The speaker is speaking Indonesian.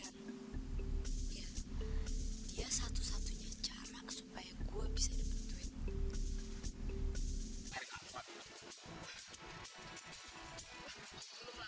mas aku udah nyaman hidup seperti ini